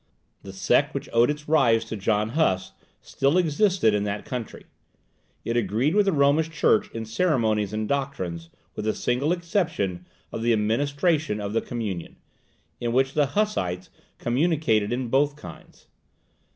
The sect which owed its rise to John Huss, still existed in that country; it agreed with the Romish Church in ceremonies and doctrines, with the single exception of the administration of the Communion, in which the Hussites communicated in both kinds.